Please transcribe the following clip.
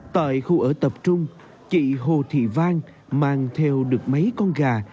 tại khu ở tập trung chị hồ thị vang mang theo được mấy con gà